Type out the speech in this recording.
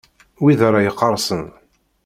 Wid ara iqqerṣen.